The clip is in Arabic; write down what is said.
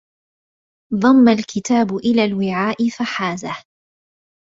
ضم الكتاب إلى الوعاء فحازه